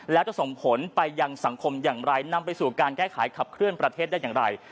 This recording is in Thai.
แล้วจะส่งผลไปยังสังคมอย่างไรนำไปสู่การแก้ไขขับเคลื่อนประเทศได้อย่างไร